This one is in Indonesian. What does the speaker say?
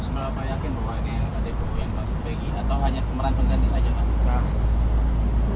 semoga pak yakin bahwa ini dpo yang masuk ke bagi atau hanya pemeran penjelan disajikan